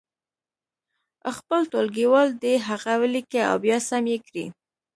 خپل ټولګیوال دې هغه ولیکي او بیا سم یې کړي.